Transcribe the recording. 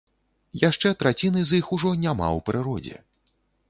Яшчэ траціны з іх ужо няма ў прыродзе.